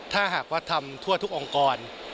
ถ้าหากว่าทำทั่วทุกองค์กร